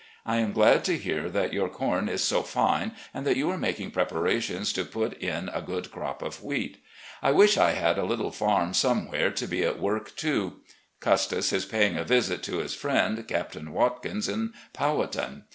I am glad to hear that your com is so fine, and that you are making preparations to put in a good crop of wheat. I wish I had a little farm some where, to be at work too. Custis is paying a visit to his friend. Captain Watkins, in Powhatan.